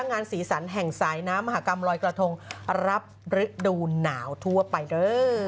งานสีสันแห่งสายน้ำมหากรรมลอยกระทงรับฤดูหนาวทั่วไปเด้อ